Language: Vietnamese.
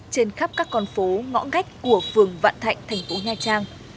trên khắp các con phố ngõ ngách của phường vạn thạnh thành phố nha trang